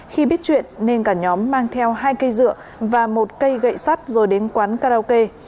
khi biết chuyện nên cả nhóm mang theo hai cây dựa và một cây gậy sắt rồi đến quán karaoke